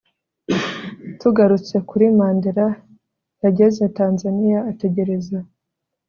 Tugarutse kuri Mandela yageze Tanzania ategereza